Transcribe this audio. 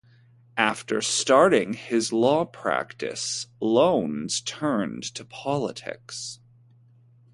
After starting his law practice, Lowndes turned to politics.